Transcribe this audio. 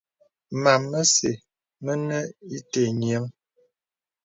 Mam məsə̀ mənə ìtə nyìəŋ.